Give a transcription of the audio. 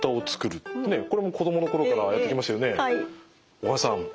小川さん